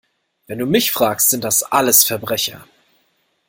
Wenn du mich fragst, sind das alles Verbrecher!